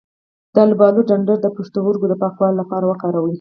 د الوبالو ډنډر د پښتورګو د پاکوالي لپاره وکاروئ